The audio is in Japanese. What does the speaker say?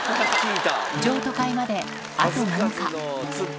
譲渡会まであと７日。